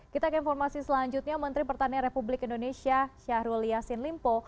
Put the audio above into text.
kita ke informasi selanjutnya menteri pertanian republik indonesia syahrul yassin limpo